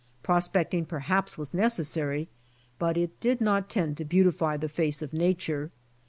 Prospecting perhaps was necessary but it did not tend to beautify the face of nature.